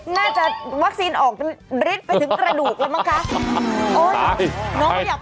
น่าจะวัคซีนออกฤทธิ์ไปถึงกระดูกแล้วมั้งคะ